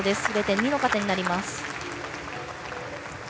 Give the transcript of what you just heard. ０．２の加点になります。